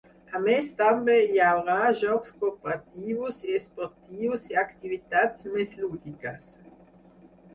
A més, també hi haurà jocs cooperatius i esportius i activitats més lúdiques.